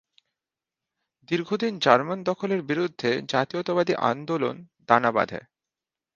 দীর্ঘদিন জার্মান দখলের বিরুদ্ধে জাতীয়তাবাদী আন্দোলন দানা বাঁধে।